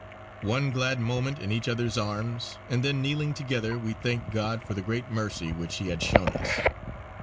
One glad moment in each other's arms, and then kneeling together we thanked God for the great mercy which He had shown us.